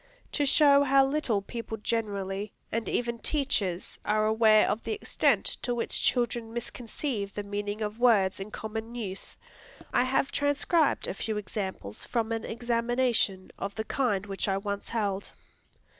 To show how little people generally, and even teachers, are aware of the extent to which children misconceive the meaning of words in common use, I have transcribed a few examples from an examination of the kind which I once held.